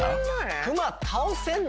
熊倒せんの？